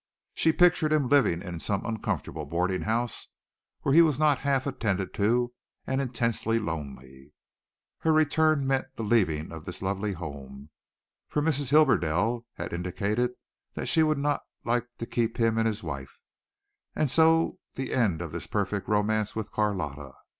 She pictured him living in some uncomfortable boarding house where he was not half attended to and intensely lonely. Her return meant the leaving of this lovely home for Mrs. Hibberdell had indicated that she would not like to keep him and his wife and so the end of this perfect romance with Carlotta.